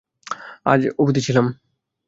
আজ অবধি ছিলাম।